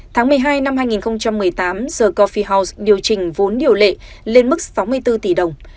tháng một mươi hai năm hai nghìn một mươi tám the cophie house điều chỉnh vốn điều lệ lên mức sáu mươi bốn tỷ đồng